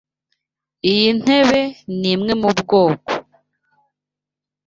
Iyi ntebe nimwe mubwoko.